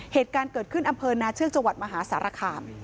เหตุการณ์เกิดขึ้นอำเภอนาเชือกจังหวัดมหาสารคาม